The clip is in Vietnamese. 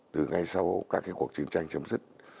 từ ngay sau các cuộc chiến tranh chấm dứt